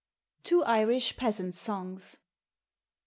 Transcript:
TWO IRISH PEASANT SONGS.